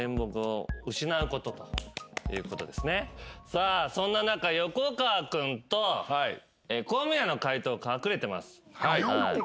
さあそんな中横川君と小宮の解答隠れてます。